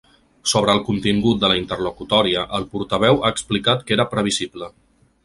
Sobre el contingut de la interlocutòria, el portaveu ha explicat que era previsible.